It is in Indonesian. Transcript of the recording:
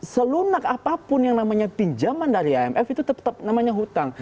selunak apapun yang namanya pinjaman dari imf itu tetap namanya hutang